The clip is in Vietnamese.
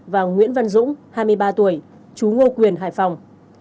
và nguyễn văn dũng hai mươi ba tuổi chú ngô quyền hải phòng